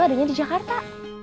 adanya di jakarta